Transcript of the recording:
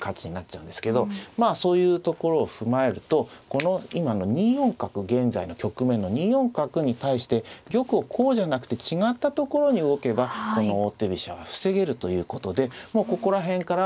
そういうところを踏まえるとこの今の２四角現在の局面の２四角に対して玉をこうじゃなくて違ったところに動けばこの王手飛車は防げるということでもうここら辺から先の十数手進んでますよね。